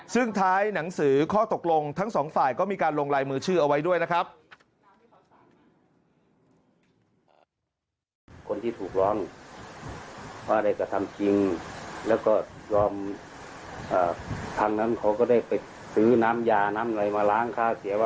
ซึ่งท้ายหนังสือข้อตกลงทั้งสองฝ่ายก็มีการลงลายมือชื่อเอาไว้ด้วยนะครับ